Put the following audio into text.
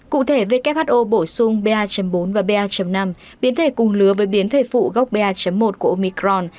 cụ thể who bổ sung ba bốn và ba năm biến thể cùng lứa với biến thể phụ gốc ba một của omicron